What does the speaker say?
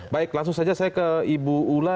baik langsung saja saya ke ibu ula